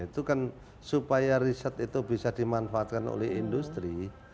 itu kan supaya riset itu bisa dimanfaatkan oleh industri